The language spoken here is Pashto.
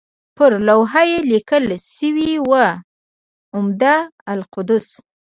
پر لوحه یې لیکل شوي وو اعمده القدس.